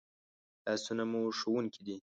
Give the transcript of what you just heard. لاسونه مو ښوونکي دي